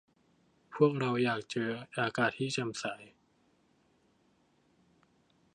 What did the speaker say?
พวกเราอยากเจออากาศที่แจ่มใส